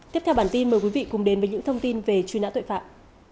tiếp theo bản tin mời quý vị cùng đến với những thông tin về truy nã tội phạm